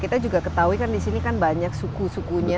kita juga ketahui kan disini kan banyak suku sukunya